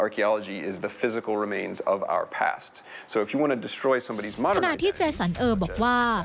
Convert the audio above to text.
ขณะที่เจสันเออบอกว่า